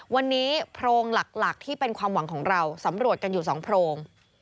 วันนี้โพรงหลักที่เป็นความหวังของเราสำรวจกันอยู่๒โพรง